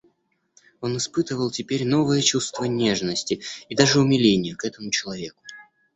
Он испытывал теперь новое чувство нежности и даже умиления к этому человеку.